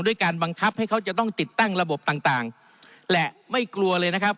การบังคับให้เขาจะต้องติดตั้งระบบต่างต่างและไม่กลัวเลยนะครับ